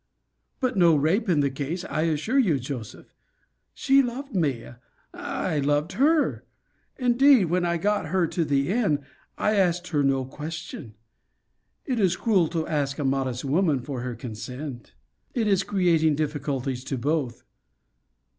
But no rape in the case, I assure you, Joseph. She loved me I loved her. Indeed, when I got her to the inn, I asked her no question. It is cruel to ask a modest woman for her consent. It is creating difficulties to both.